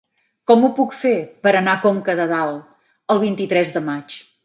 Com ho puc fer per anar a Conca de Dalt el vint-i-tres de maig?